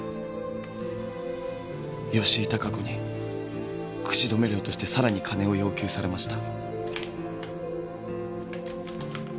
吉井孝子に口止め料としてさらに金を要求されました。